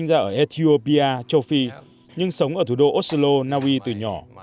anh samson sinh ra ở ethiopia châu phi nhưng sống ở thủ đô oslo naui từ nhỏ